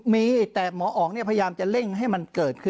มีแต่หมออ๋องพยายามจะเร่งให้มันเกิดขึ้น